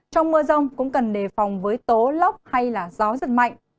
trong mưa rông cũng cần đề phòng với tố lốc hay là gió rất mạnh